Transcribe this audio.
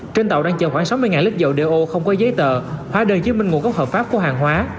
trên tàu đang chờ khoảng sáu mươi lít dầu đeo ô không có giấy tờ hóa đơn chứa minh nguồn gốc hợp pháp của hàng hóa